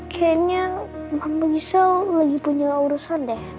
kayaknya mama gisa lagi punya urusan deh